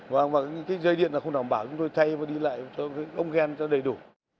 và cái dây điện là không đảm bảo thì tôi thay và đi lại cho cái ống ghen nó đầy đủ